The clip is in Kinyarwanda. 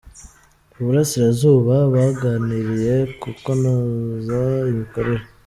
I Burasirazuba baganiriye ku kunoza imikorere